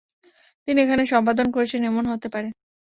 তিনি এখানে সম্পাদন করেছেন এমন হতে পারে।